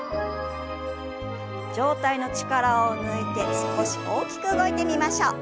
上体の力を抜いて少し大きく動いてみましょう。